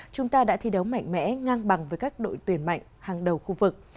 chúng ta đã thi đấu mạnh mẽ ngang bằng với các đội tuyển mạnh hàng đầu khu vực